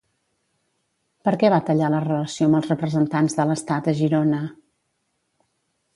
Per què va tallar la relació amb els representants de l'estat a Girona?